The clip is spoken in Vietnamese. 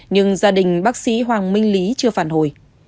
nhưng gia đình bác sĩ hoàng minh lý chưa phản hồi